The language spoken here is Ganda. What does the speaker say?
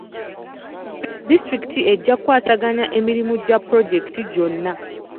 Disitulikiti ejja kukwasaganya emirimu gya pulojeketi gyonna.